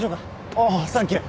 おぉサンキュー